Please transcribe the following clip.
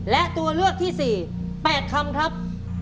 และตัวเลือกที่๔๘คำครับ